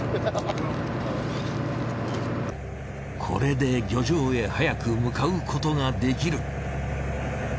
これで漁場へ早く向かうことができる。